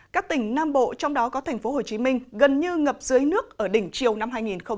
các tỉnh nam bộ trong đó có thành phố hồ chí minh gần như ngập dưới nước ở đỉnh chiều năm hai nghìn năm mươi